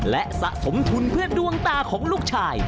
และสะสมทุนเพื่อดวงตาของลูกชาย